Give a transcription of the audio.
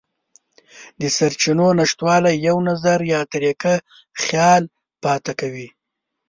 د سرچینو نشتوالی یو نظر یا طریقه خیال پاتې کوي.